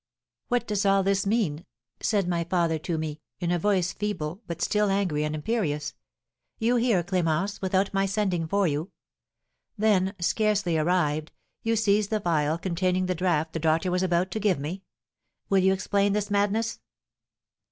"'What does all this mean?' said my father to me, in a voice feeble, but still angry and imperious. 'You here, Clémence without my sending for you? Then, scarcely arrived, you seize the phial containing the draught the doctor was about to give me. Will you explain this madness?'